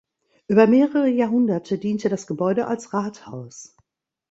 Über mehrere Jahrhunderte diente das Gebäude als Rathaus.